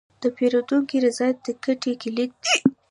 د پیرودونکي رضایت د ګټې کلید دی.